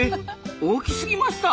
大きすぎました？